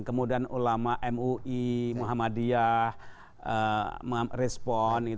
kemudian ulama mui muhammadiyah merespon